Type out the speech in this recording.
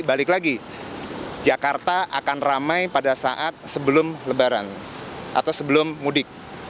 balik lagi jakarta akan ramai pada saat sebelum lebaran atau sebelum mudik